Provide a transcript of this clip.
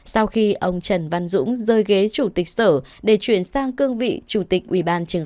sau khi ông trần văn dũng rơi ghế chủ tịch sở để chuyển sang cương vị chủ tịch ubchn